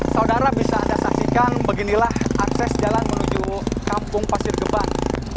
saudara bisa anda saksikan beginilah akses jalan menuju kampung pasir gebang